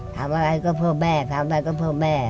ทำอะไรก็เพื่อแม่ทำอะไรก็เพื่อแม่